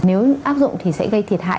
nếu áp dụng thì sẽ gây thiệt hại